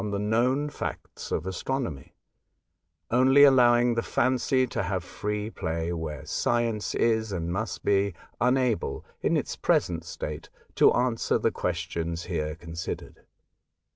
viii A Voyage to Other Worlds, known facts of astronomy, only allowing the fancy to have free play where science is, and must be, unable, in its present state, to answer the questions here considered.